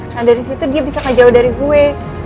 nah dari situ dia bisa kejauh dari gue